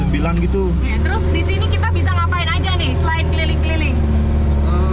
terus di sini kita bisa ngapain aja nih selain keliling keliling